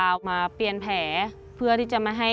ูกเกิดประสบดุปัติธิ์เหตุ